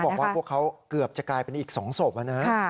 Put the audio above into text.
บอกว่าพวกเขาเกือบจะกลายเป็นอีก๒ศพนะ